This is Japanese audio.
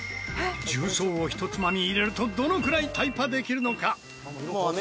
重曹をひとつまみ入れるとどのくらいタイパできるのか？